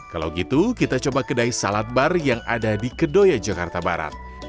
kalau gitu kita coba kedai salad bar yang ada di kedoya jakarta barat